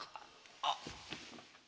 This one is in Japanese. あっ。